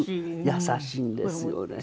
優しいんですよね。